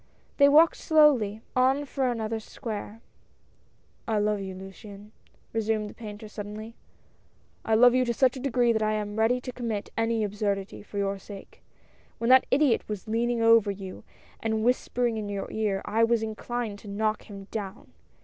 They walked slowly on for another square. " I love you, Luciane," resumed the painter suddenly. "I love you to such a degree that I am ready to commit any absurdity for your sake. When that idiot was leaning over you and whispering in your ear, I was inclined to knock him down.